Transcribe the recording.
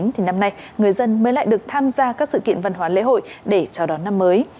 thì năm nay người dân mới lại được tham gia các sự kiện văn hóa lễ hội để chào đón năm mới